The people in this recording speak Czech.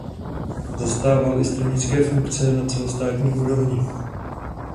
Zastával i stranické funkce na celostátní úrovni.